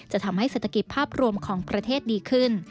จะทำให้เศรษฐกิจภาพรวมของประเทศดีขึ้น